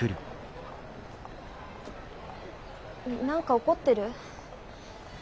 何か怒ってる？